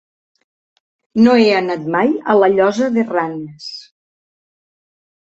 No he anat mai a la Llosa de Ranes.